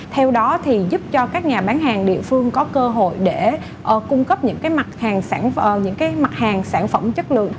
theo đó thì giúp cho các nhà bán hàng địa phương có cơ hội để cung cấp những mặt hàng sản phẩm chất lượng